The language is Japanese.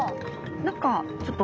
何かちょっと。